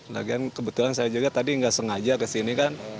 lagian kebetulan saya juga tadi nggak sengaja kesini kan